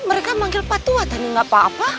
mereka manggil pak tua tadi nggak apa apa